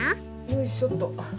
よいしょっと。